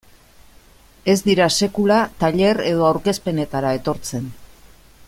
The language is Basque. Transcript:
Ez dira sekula tailer edo aurkezpenetara etortzen.